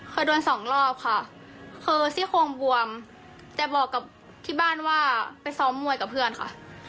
เคยโดนสองรอบค่ะคือซี่โครงบวมแต่บอกกับที่บ้านว่าไปซ้อมมวยกับเพื่อนค่ะ